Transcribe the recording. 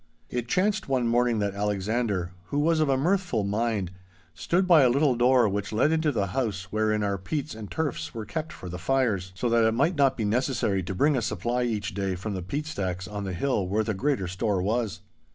It chanced one morning that Alexander, who was of a mirthful mind, stood by a little door which led into the house wherein our peats and turfs were kept for the fires, so that it might not be necessary to bring a supply each day from the peatstacks on the hill where the greater store was.